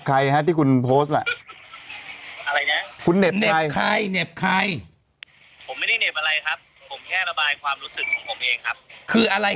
ไม่มีอะไรผมก็พูดไปแล้ว